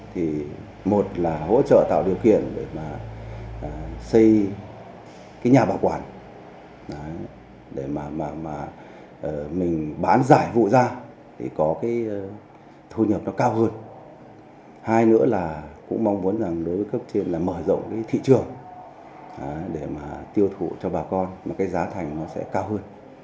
thôi nhập nó cao hơn hai nữa là cũng mong muốn đối với các cấp chính là mở rộng thị trường để tiêu thụ cho bà con mà cái giá thành nó sẽ cao hơn